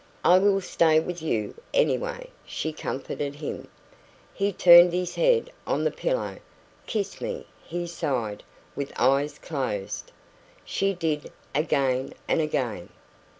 "I will stay with you, anyway," she comforted him. He turned his head on the pillow. "Kiss me," he sighed, with eyes closed. She did, again and again.